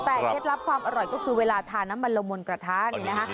แต่เคล็ดลับความอร่อยก็คือเวลาทานน้ำมันลงบนกระทะเนี่ยนะคะ